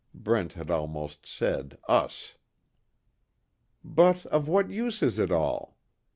Brent had almost said "us." "But, of what use is it all?